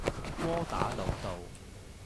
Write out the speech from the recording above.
窩打老道